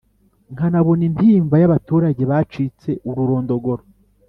nkanabona intimba y'abaturage bacitse ururondogoro